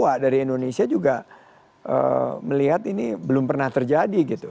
bahwa dari indonesia juga melihat ini belum pernah terjadi gitu